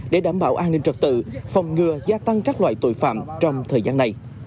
để đảm bảo an ninh trật tự phòng ngừa gia tăng các loại tội phạm trong thời gian này